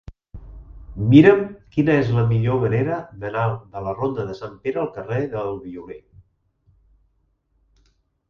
Mira'm quina és la millor manera d'anar de la ronda de Sant Pere al carrer del Violer.